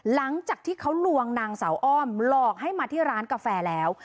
หลังจากที่เขาลวงนางสาวอ้อมหลอกให้มาที่ร้านกาแฟแล้ว